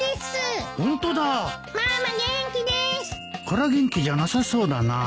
空元気じゃなさそうだな